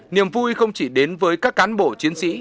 niềm vui không chỉ đến với các cán bộ chiến sĩ